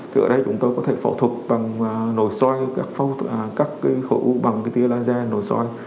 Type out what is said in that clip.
thì ở đây chúng tôi có thể phẫu thuật bằng nồi xoay các khẩu ụ bằng tia laser nồi xoay